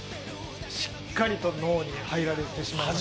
しっかりと脳に入られてしまいました。